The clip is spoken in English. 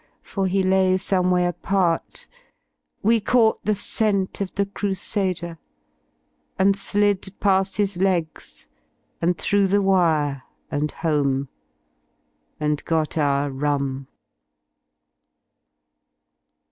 For he lay some way apart, we caught the scent Of the Crusader and slid pa ft his legs, And through the wire and home, and got our rum.